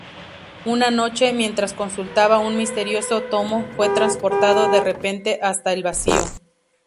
Una noche, mientras consultaba un misterioso tomo, fue transportado de repente hasta el Vacío.